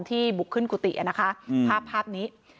ที่บุกขึ้นกุฏินะคะภาพภาพนี้